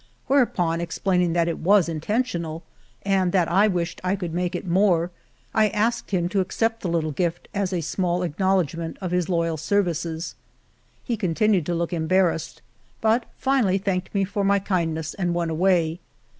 Whereupon explaining that it was intentional and that I wished I could make it more, I asked him to accept the little gift as a small acknowl edgment of his loyal services. He con tinued to look embarrassed, but finally thanked me for my kindness and went away.